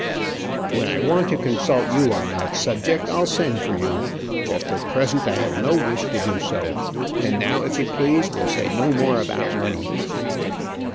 "When I want to consult you on that subject, I'll send for you; just at present I have no wish to do so. And now, if you please, we'll say no more about money."